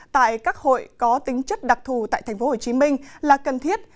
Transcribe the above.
tại các hội có tính chất đặc thù tại tp hcm là cần thiết